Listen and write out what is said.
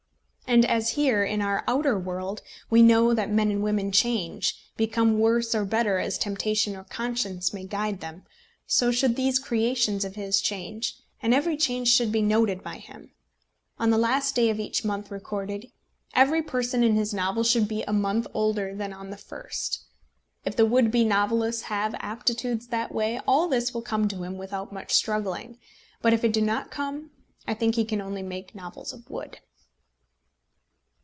And, as here, in our outer world, we know that men and women change, become worse or better as temptation or conscience may guide them, so should these creations of his change, and every change should be noted by him. On the last day of each month recorded, every person in his novel should be a month older than on the first. If the would be novelist have aptitudes that way, all this will come to him without much struggling; but if it do not come, I think he can only make novels of wood.